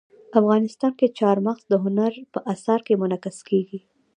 افغانستان کې چار مغز د هنر په اثار کې منعکس کېږي.